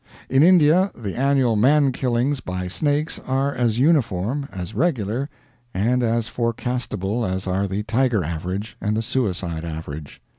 In India, the annual man killings by snakes are as uniform, as regular, and as forecastable as are the tiger average and the suicide average.